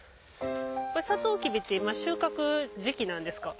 サトウキビって今収穫時期なんですか？